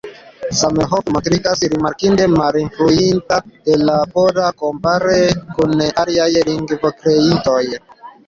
Zamenhof montriĝas rimarkinde malinfluita de la pola, kompare kun aliaj lingvokreintoj.